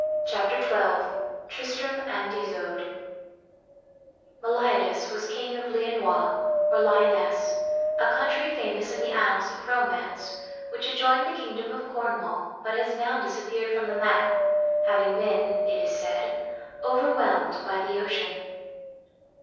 CHAPTER XII TRISTRAM AND ISOUDE Meliadus was king of Leonois, or Lionesse, a country famous in the annals of romance, which adjoined the kingdom of Cornwall, but has now disappeared from the map, having been, it is said, overwhelmed by the ocean.